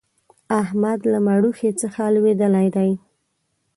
احمد له مړوښې څخه لوېدلی دی.